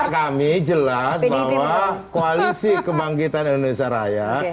kami jelas bahwa koalisi kebangkitan indonesia raya